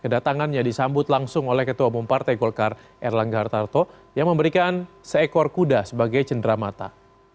kedatangannya disambut langsung oleh ketua bumparte golkar erlangga hartarto yang memberikan seekor kuda sebagai cendera mata